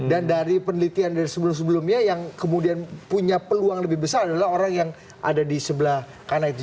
dan dari penelitian dari sebelum sebelumnya yang kemudian punya peluang lebih besar adalah orang yang ada di sebelah kanan itu